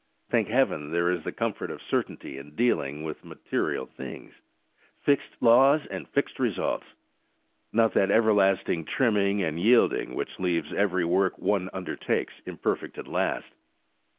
Thank Heaven, there is the comfort of certainty in dealing with material things! Fixed laws, and fixed results! Not that everlasting trimming and yielding, which leave every work one undertakes imperfect at last!"